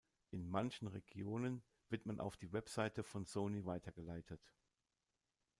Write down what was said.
In manchen Regionen wird man auf die Webseite von Sony weitergeleitet.